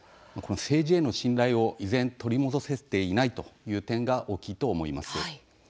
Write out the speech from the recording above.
政治への信頼を依然、取り戻せていないという点が大きいと思います。